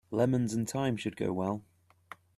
Lemons and thyme should go well.